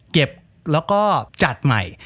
เก็บแล้วก็จัดใหม่